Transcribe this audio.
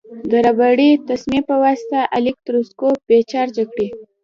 د ربړي تسمې په واسطه الکتروسکوپ بې چارجه کړئ.